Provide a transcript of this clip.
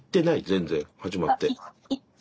全然始まって。